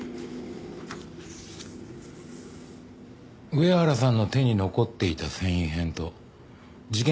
上原さんの手に残っていた繊維片と事件